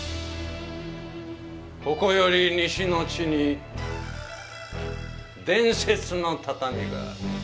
ここより西の地に伝説の畳がある。